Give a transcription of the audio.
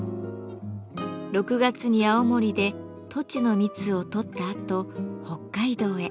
６月に青森でトチの蜜を採ったあと北海道へ。